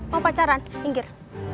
mau pacaran minggir